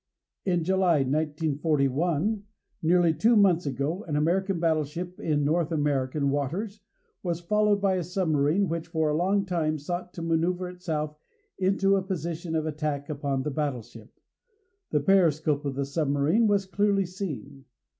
In July, 1941, nearly two months ago an American battleship in North American waters was followed by a submarine which for a long time sought to maneuver itself into a position of attack upon the battleship. The periscope of the submarine was clearly seen.